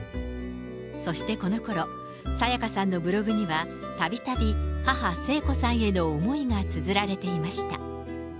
そしてこのころ、沙也加さんのブログには、たびたび母、聖子さんへの思いがつづられていました。